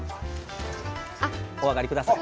お上がり下さい。